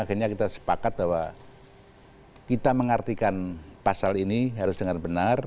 akhirnya kita sepakat bahwa kita mengartikan pasal ini harus dengan benar